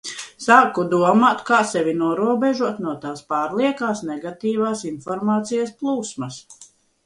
Sāku domāt, kā sevi norobežot no tās pārliekās negatīvās informācijas plūsmas.